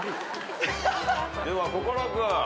では心君。